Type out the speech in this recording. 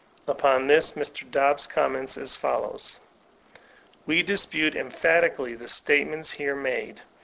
'* Upon this Mr. Dobbs comments as follows: ''We dispute en^hatically the statements here made.